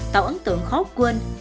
tạo ấn tượng khó quên